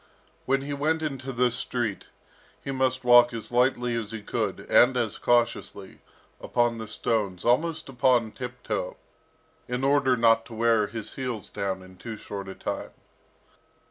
When he went into the street, he must walk as lightly as he could, and as cautiously, upon the stones, almost upon tiptoe, in order not to wear his heels down in too short a time.